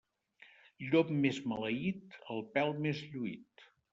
Llop més maleït, el pèl més lluït.